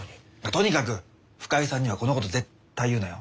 とにかく深井さんにはこのこと絶対言うなよ。